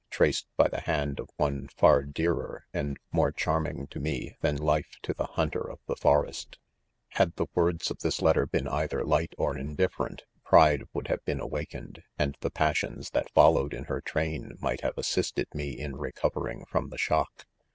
traced by the JKahd of one far dearer and more charming to ipe f than life to the hunter of the forest. IIS 2D0MEN* ■ i Had the words of this letter • "been either light or indifferent j pride would . have been awakened, and the passions that follow in her train might have, assisted me in, recovering from the shock.